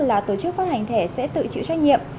là tổ chức phát hành thẻ sẽ tự chịu trách nhiệm